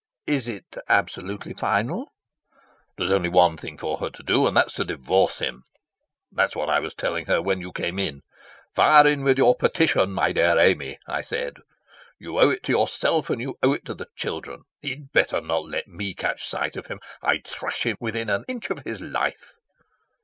"Is it absolutely final?" "There's only one thing for her to do, and that's to divorce him. That's what I was telling her when you came in. 'Fire in with your petition, my dear Amy,' I said. 'You owe it to yourself and you owe it to the children.' He'd better not let me catch sight of him. I'd thrash him within an inch of his life."